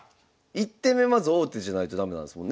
１手目まず王手じゃないと駄目なんですもんね。